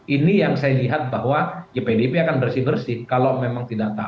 ini yang saya lihat bahwa jpdp akan bersih bersih kalau memang tidak tahu